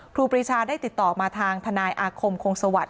ครูปรีชาได้ติดต่อมาทางทนายอาคมคงสวัสดิ